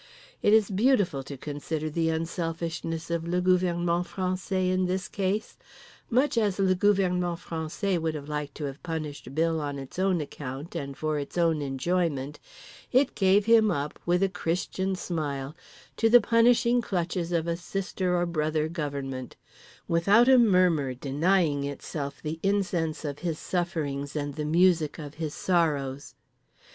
It is beautiful to consider the unselfishness of le gouvernement français in this case. Much as le gouvernement français would have liked to have punished Bill on its own account and for its own enjoyment, it gave him up—with a Christian smile—to the punishing clutches of a sister or brother government: without a murmur denying itself the incense of his sufferings and the music of his sorrows.